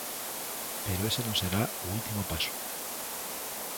Pero ese non será o último paso.